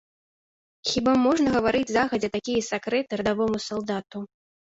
Хіба можна гаварыць загадзя такія сакрэты радавому салдату?